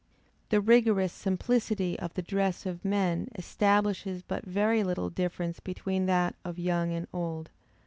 The rigorous simplicity of the dress of men establishes but very little difference between that of young and old.